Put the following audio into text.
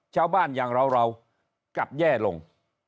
ชาวบ้านอย่างเรากลับแย่ลง